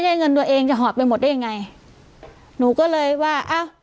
เงินตัวเองจะหอบไปหมดได้ยังไงหนูก็เลยว่าอ้าว